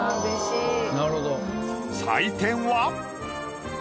採点は。